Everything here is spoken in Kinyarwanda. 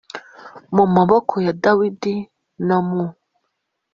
mu maboko ya Dawidi no mu